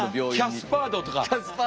キャスパー度とか。